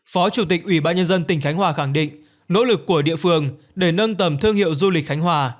phó chủ tịch ủy ban nhân dân tỉnh khánh hòa khẳng định nỗ lực của địa phương để nâng tầm thương hiệu du lịch khánh hòa